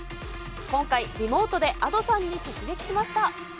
今回、リモートでＡｄｏさんに直撃しました。